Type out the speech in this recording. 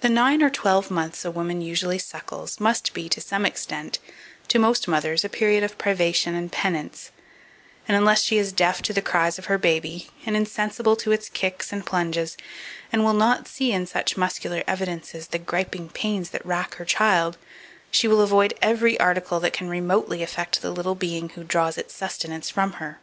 2475. The nine or twelve months a woman usually suckles must be, to some extent, to most mothers, a period of privation and penance, and unless she is deaf to the cries of her baby, and insensible to its kicks and plunges, and will not see in such muscular evidences the griping pains that rack her child, she will avoid every article that can remotely affect the little being who draws its sustenance from her.